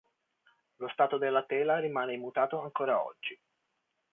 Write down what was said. Lo stato della tela rimane immutato ancora oggi.